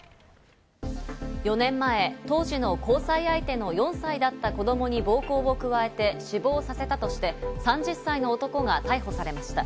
４年前、当時の交際相手の４歳だった子供に暴行を加えて死亡させたとして３０歳の男が逮捕されました。